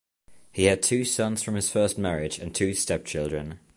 He had two sons from his first marriage and two stepchildren.